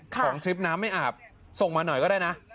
ของทริปน้ำไม่อาบส่งมาหน่อยก็ได้นะ